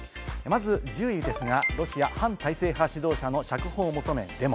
まず１０位ですが、ロシア・反体制派指導者の釈放を求めデモ。